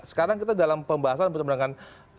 sekarang kita dalam pembahasan berseberangan